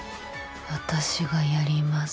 私がやります